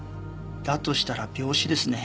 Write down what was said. だとしたら病死ですね。